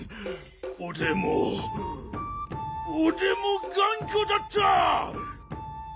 おでもおでもがんこだった！